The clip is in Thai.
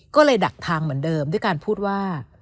ก็เลยดักทางเหมือนเดิมด้วยการพูดว่า